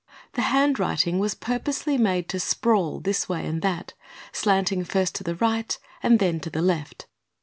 The handwriting was purposely made to sprawl this way and that, slanting first to the right and then to the left.